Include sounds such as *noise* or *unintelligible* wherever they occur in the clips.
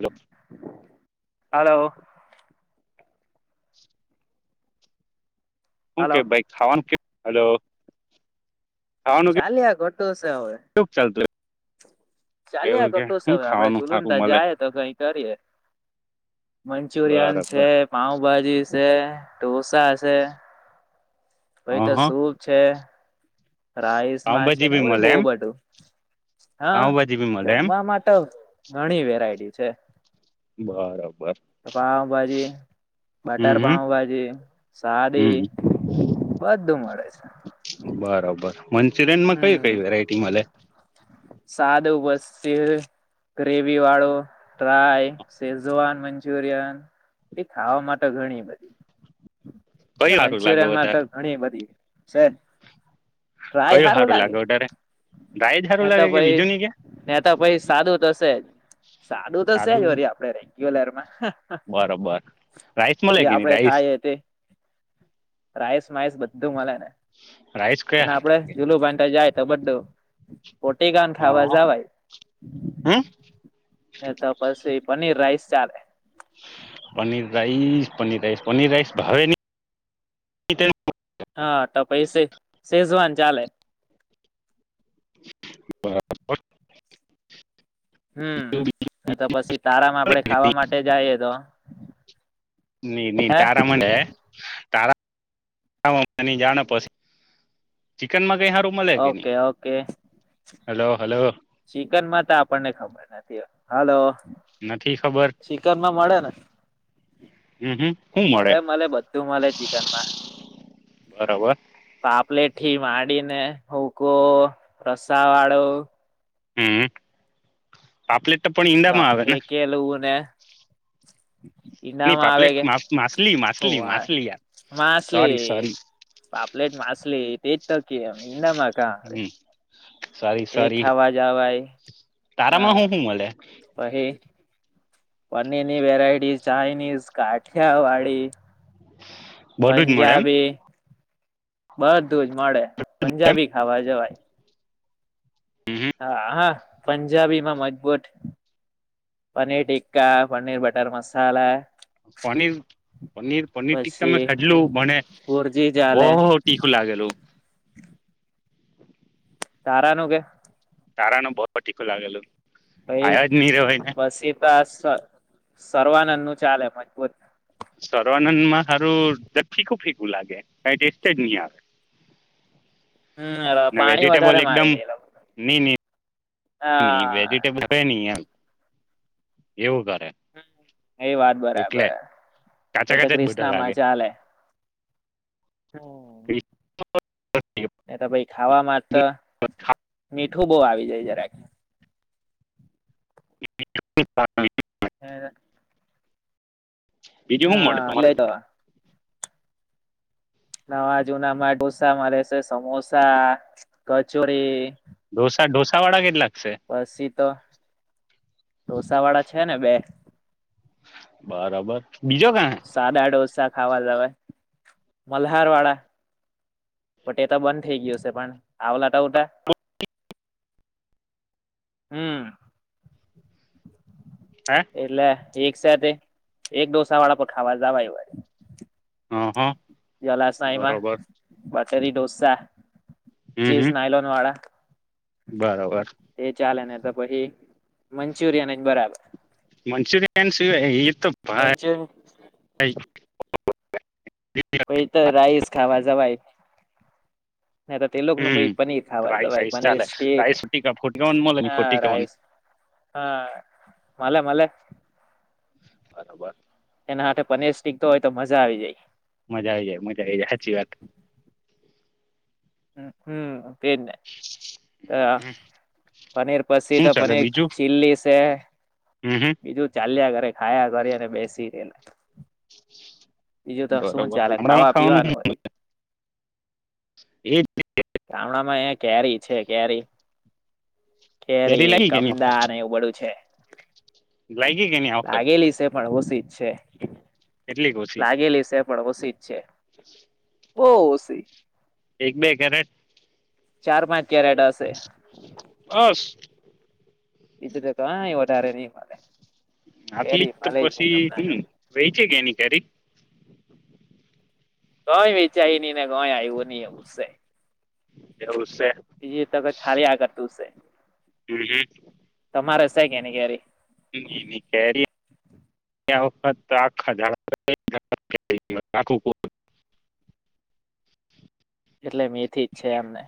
Hello *inaudible* હાલો. *inaudible* હુ hello કે ભાઈ ખાવાનું કે હલો. ખાવાનું ચાલ્યા ઘટું છે હવે કેવું ચાલતું ચાલ્યા એવું કે ઘટું છે હું હવે આપડે ખાવાનું જુલુંન ત સારું મળે જાય તો કઈ કરીએ મંચુરિયન છે બરાબર પાઉભાજી *unintelligible* *inaudible* ભસા હશે પાઈ તો હ હ સૂપ છે. રાઈસ માં છે પાઉભાજી બી નેવું મળે બહુ એમ બધું. હા પાઉભાજી બી મળે એમ જમવા માટે. ઘણી વેરાયટી છે. બરાબર. પાઉભાજી હમ બટર હમ પાઉ ભાજી સાદી હમ બધુ બધું મળે છે. મંચુરિયન માં કઈ કઈ વેરાયટી મળે. સાદુ બસર ગ્રેવી વાળો ડ્રાય શેઝવાન મંચુરિયન એ ખાવા માટે ઘણી બઘી કયું સારું લાગે મંચુરિયન માં તો વધારે ઘણી બધી. સર કયું હારુ લાગે વઘારે રાઇસ ને તો ભાઈ ને તો ભાઈ સાદું થશે જ સાદું થશે જ વરી આપણેે રેગ્યુલરમાં બરોબર રાઈસ મળે જે કે નહી આપડે રાઈસ ખાઈ તે રાઈસ માયસ બધું મલે. રાઈસ એને કયા હાર આપડે લાગે જુલું ભ જાય. કબડ્ડો. પોટી ગાન ખાવા હ જવાય હમ એ તો પછી પનીર રાઈસ ચાલે paneer rice paneer rice paneer rice ભાવે ની હા તો પૈ શેઝવાન ચાલે. બરાબર. હમ એ તો પછી તારામાં આપડે ખાવા માટે જાય. કા ની ની તારા મને ાર જા પછી ચિકનમાં ક okay okay. Hello hello. Chicken માં તો આપણને ખબર નથી હાલો. નથી ખબર ચિકનમાં મળે ને હમ હમ શું મળે મલે મલે બઘું મલે ચિકનમાં. બરાબર. આપલે થી માડીને હુકો રસાવાડો હમ્મ આપલે તા હે કે લૂ ને નહી ઈડામાં આવે પાપલેટ કે માછલી હું માછલી વા માછલી યાર સોરી માછલી સોરી પાપલેટ માછલી. તેજ તો કેમ ઈંડામાં કા આવે. હમ સોરી તે સોરી ખાવા જવાય તારામાં હું શું મળે હં પહી પનીરની વેરાયટી ચાઇનીઝ કાઠિયાવાડી બધું જ મળે એમ પંજાબી બધું જ મળે. પંજાબી ખાવા જવાય. હા હા પણ જાબીમાં મટ બોટ પનીર ટિક્કા પનીર બટર મસાલા પનીર પનીર પનીર ટીખા પછી મેં ખાધેલું મને ભુરજી બહુ ચાલે ટીખું લાગેલું. તારાનું કે તારાનું બહુ તીખું લાગેલું પછી ખાયા જ નહી રેવાય ને પછી તો *unintelligible* સર્વાનંદ નું ચાલે મજબૂત સર્વાનંદમાં હારું સેજ ફીકું ફીકું લાગે કઈ ટેસ્ટેજ નઈ આવે હમ્ ને પાણી વધારે વેજીિટેબલ મારે એકદમ છે એ લોકો નહી હા વેજીિટેબલ *inaudible* એમ એવું તાર એ વાત બરાબર કાચા પછી તો કાચા જ બધા લાગે ક્રિષ્નામાં ચાલે હમ્ એ તો પાઈ ખાવામાં તો *unintelligible* બહુ આવી જાય જરાક *inaudible* *unintelligible* બીજું શું મળે હા તમારે એટલે તો નવા જુના માં ઢોસા મળે છે સમોસા કચોરી ડઢોસા ડઢોસા વાળા કેટલા પછી તો ઢોસા વાળા છે ને બે. બરાબર. બીજો ક હે સાદા ડોસા ખાવા જવા મલ્હાર વાળા બટ એ તો બંધ થઈ ગયું છે. પણ આવલા ત ઉટા હમ્મ એટલે એક સાથે એક ડોસાવાળા પણ, ખાવા જાવાય વારી. હ હ. જલાસાઈમાં બરોબર બટ ફરી ડોસા. હમ હમ ચીઝ નાઇલોન વાળા. બરોબર એ ચાલે ને, તો પછી મંચુરિયન જ બરાબર મંચુરિયન સિવાય એ ઈર મંચુરિન. ઓ *unintelligible* પઈ તો રાઈસ ખાવા જવાય. ને તો તે લોકોનું કોઈ હમ પનીર ખાવા રાઈસ જવાય રાઈસ પનીર ચાલે સ્ટીક, રાઈસ ફોટી ફોટીવન મળે ને હા ફોટીવન રાઈસ, હા. મલે, મલે. બરાબર. એનાથે પનીર સીકતો હોય, તો મજા. આવી જાય. મજા આવી જાય, મજા આવી જાય, સાચી વાત. હ, હમ. વાત પનીર પી શું તો ચાલે પનીર બીજું ચિલ્લી છે. હમ હમ ઈતો ચાલ્યા કરે. ખાયા કરીને બેસી ને, બરાબર હમણાંમાં પીવાનું ખાવાનું, વરી એ, ગામડા માં એ કેરી છે કેરી. કેરી, લાગી કે નઈ આ કમદા વખત એવું બધું છે. લાગી કે નઈ આ વખત લાગેલી છે પણ ઓશી જ છે. હ, કેટલીક ઓછી લાગેલી છે પણ ઓશી જ છે. બો ઓશી. એક બે કેરેટ, ચાર પાંચ, કેરેટ હસે. બસ ઈતો હા એ વધારે નહી, મળે આટલી જ કેરી તો મળે નહી પછી હમણાં હમ વેચઈ ગઈ એની કેરી કઈ વેચાઈ નહી, ને કોઈ આયવુ નહી, એવું સે એવું છે હમ *unintelligible* તમારે સા કે નને કે્યારે *unintelligible* કે *unintelligible* વખત આ *inaudible* એટલે મેંથી જ છે, એમને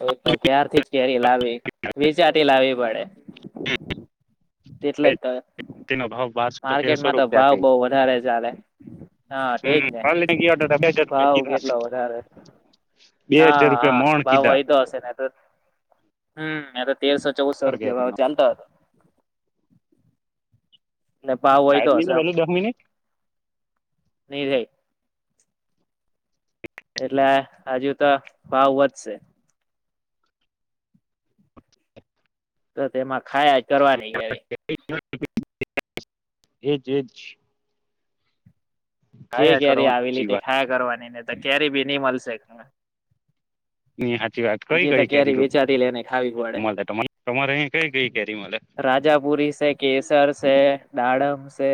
હ તો ક્યારથી જ કેરી લાવી વિચાર તે લાવવી પડે. *inaudible* તેટલા જ તો. તેનો ભાવ *inaudible* બારસો તેરસો માર્કેટમાં તો રૂપિયા ભાવ ક બઉ વધારે છે. ચાલેે *inaudible* હા, તેજ ને કાલે ગયા હતા બે હજાર રૂપિયા ભાવ કીધા કેટલો વધારે બે હા હજાર હા રૂપિયા મોણ ભાવ કીધા હોય, તો હશે ને તો હમ્મ *unintelligible* તેરસો ચૌદસો રૂપિયા ભાવ સાહેબ ચાલતા હતો. ને ભાવ હોય તો ની હશે વેલી દસ મિનિટ *unintelligible* એટલે હજુ તો ભાવ વધશે. ક તેમાં ખાયા જ કરવાની કેરી *inaudible* એજ એ જ *inaudible* જે કેરી આવેલી સાચી તે વાત ખાયા કરવાની ને કેરી બી નહી મલશે ખાવા ની સાચી વાત *inaudible* કઈ બીજે તો કઈ કેરી વેચાતી લેને ખાવી પડે, મળે તમારે તમારે અહી કઈ કઈ કેરી મળે રાજાપુરી સે કેસર છે દાડમ સે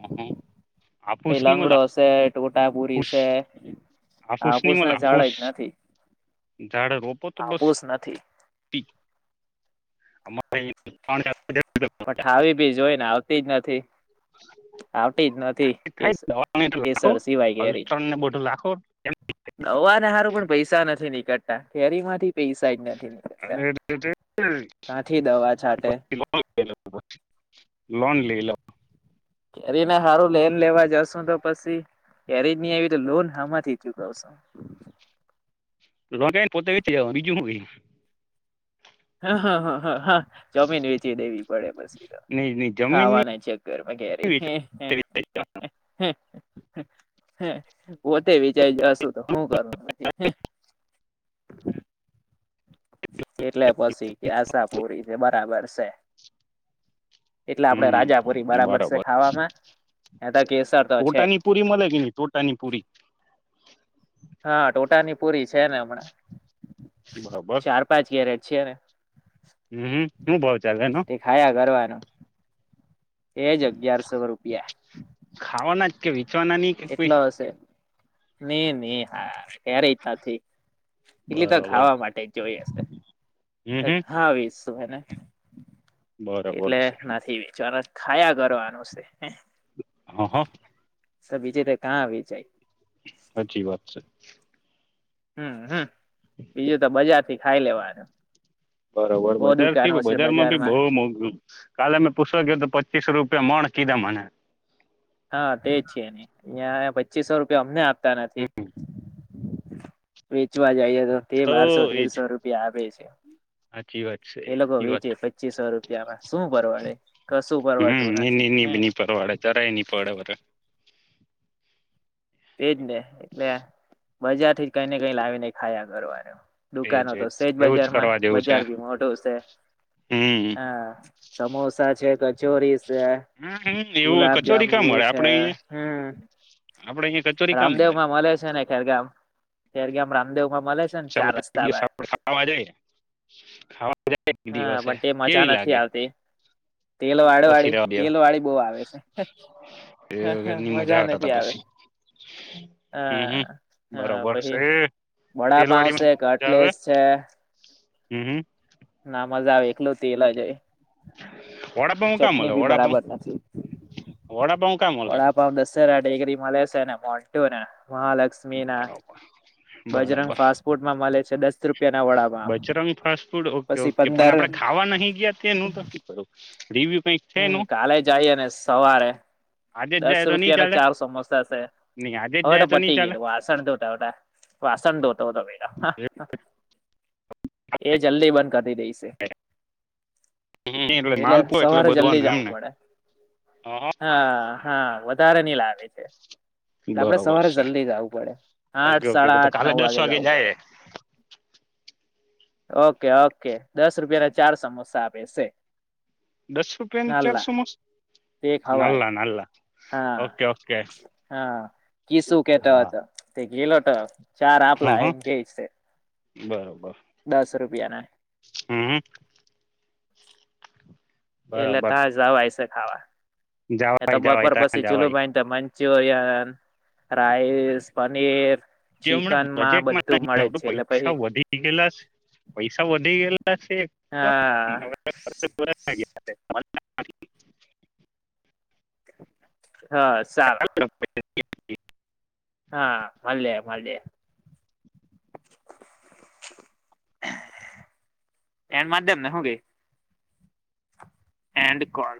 હમ્મ પઈ લંગડો સે ટોટાપુરી આપુસ સે હાફૂસ ની આફુસ મળે ના જાડ હાફૂસ જ નથી, ઝાડ રોપો તો બસ આફુસ નથી. અમારે હજાર પ ઠાવી ભી જોય ને આવતી જ નથી. આવતી જ નથી, થાય કેસર દવાને તો લાખો કેસર સિવાય કેરી, અલ્ટ્રોન ને બધું લાખો એમ દવાને હારું પણ પૈસા નથી, ની ડતા કેેરીમાંથી અરે કાંઠી દવા છાટે પછીન લ લ લોન લઈ લવ *unintelligible* કેરીને હારું લેન લેવા જશુ તો પસી કેરી ની આવી લોન હામાંથી ચુકવશો રગ ને પોતે વીચ જવાનું બીજું હું ગય હા હ હ હ હા જમીન વેચી દેવી પડે. નહીં નહીં જમીન નહીં ખાવાના છે ચક્કરમાં કેયારે. વેચી વેચાઈ જવાનું. હ પોતે જ જશું તો શું કરું પછ એટલે પછી કે આશાપુરી છે બરાબર છે. એટલે આપણેે હમ રાજાપુરી બરાબર છે ખાવામાં એ તો કેસર તો છે જ. ટોટાની પૂરી મળે કે નહીં ટોટાની પૂરી હા ટોટાની પૂરી છે ને હમણાં. બરાબર ચાર પાંચ કેરેટ. છેી ને. હમ શું બઉ ચાલ એનો. તે ખાયા કરવાનું એજ અગિયારસો રૂપિયા. કેવી. છવાનાની કોઈ. ની ની. ક્યારે નથી એટલી તો બરાબર ખાવા માટે જ જોઈ હમ હશે હમ ખાવીશ. *unintelligible* બરાબર એટલે છે નથી વિચાર ખાયા કરવાનું છે. હહ. સ બીજે તો કાં આવી જાય. સાચી વાત છે. હમ્મ હમ્મ બીજું તો બજાર થી. ખાઈ લેવાનું. બરોબર બહુ દુકાનો બજારથી છે બજારમાં ભી બહ મોઘું કાલે અમે પૂછવા ગ તો પચીસ રૂપિયા મણ. કિધા મને. હા તેજ છે એને અ પછી પચીસો રૂિયા અમને તા નથી. વેચવાજ જઈએ તો તે બારસો તેરસો રૂપિયા આપે છે. સાચી વાત છે એ લોકો સાચી વાત વેચે પચીસો રૂપિયામાં શું પરવડે કશું હમ પરવતું નથી એ હુ. નહી પરવાડે જરાય નહી પડે વરે. તે જનેે. એટલે. બજારથી જ કઈ ને કઈ લાવીને ખાયા કરવાનું. એજ દુકાનો તો એજ સે જ એવું બજારમાં કરવા જેવું છે બજાર ભી મોટું સે હમ હા સમોસા છે ક ચોરીસ હમ હમ એવું કચોરી ક્યાં ગુલાબજાંબુ મળે છે. આપડે અહીંયા હમ આપડે અહીંયા કચોરી ક્યાં મળે રામદેવમાં મલે છે ને ખેરગામ ખેરગામ રામદેવ માં મળે છે ને ચલો ચાર એક રસ્તા બ દિવસ આપણે ખાવા જાઈ. ખાવા જાઈ હા પણ તે મજા નથી આવતી તેલ વાળ પછી વાળી રવા દે તેલ વાળી બહુ આવે છે. એ હહ વગરની મજા આવતા નથી હતા આવે પછી હમ હમ હહ હહ બરોબર પછી છે વડાપાઉ સે તેલવાડીમાં મજા આવે કેટલેસ છે હમ હમ ના મજા આવે એકલો તેલ જ હોય વડાપાઉં કા ચટણી મલે બી વડાપાઉ બરાબર નથી વડાપાઉ વડાપાવ દસેરા ટેકરી મલે સે અને મોન્ટુને બરોબર બજરંગ બરોબર ફાસ્ટ ફૂડમાં મળે છે દસ રૂપિયા ના vada pav Bajrang fast food okay પછી ઓકે પણ પંદર આપણે ખાવા નહી ગયા તેનું તો શું કરું રીવ્યુ હમ કાલે જાઈએ ને સવારે આજે જ દસ જાય તો નહીં રૂપિયાને ચાલે ચાર સમોસા સે નહીં આજે જ હવે તો જાય નહીં પટી ચાલે ગયેલું આ વાસણ ધોતા હતા, વાસણ ધોતો હતો બેટા હહ પેલો એ જલ્દી બંધ કરી દઈશે. હહ એટલે માલ પોય હવારે જલ્દી જાઉં પડે હા હહ હા હા વધારે ની લાવે છે. એટલે આપડે બરોબર સવારે છે જલ્દી જાવું પડે ઓકે આઠ, ઓકે સાડા તો આઠ, કાલે નવ દસ વાગે જાવું પડે. જાય ઓકે ઓકે દસ રૂપિયાના ચાર સમોસા આપે સે દસ રૂપિયાની ચાર સમોસા નાલ્લા નાલ્લા હા હા ઓકે ઓકે હા કિસું કેતો હા હતો તે ગેયલો તો ચાર આપલા હા એમ કે સે બરોબર. દસ રૂપિયાના હમ એ બરોબર લેતા જાવ આઈસે હાવા એ તો જવાય જવાય બપોર ત્યાં પછી જુલું જવાય ભાઈ મ જ હો રાઈસ, પનીર, જે હમણાં ચિકનમાં, બજેટમાં બધું નથી મળે જ આવતું છે એટલે પૈસા પછી વધી ગયેલા છે પૈસા વધી ગયેલા હા *inaudible* હા સારું. *inaudible* હા મળ્યા મળડે એણ માધ્યમને હગી એન્ડ કોલ